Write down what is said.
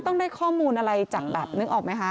ต้องได้ข้อมูลอะไรจากแบบนึกออกไหมคะ